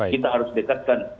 kita harus detekan